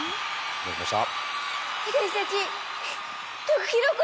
どうしました？